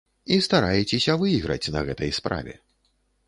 І стараецеся выйграць на гэтай справе.